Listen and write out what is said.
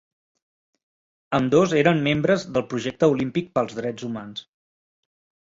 Ambdós eren membres del Projecte Olímpic pels Drets Humans.